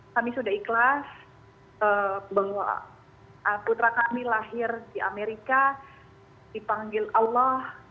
kami sudah ikhlas bahwa putra kami lahir di amerika dipanggil allah